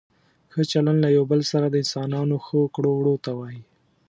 ښه چلند له یو بل سره د انسانانو ښو کړو وړو ته وايي.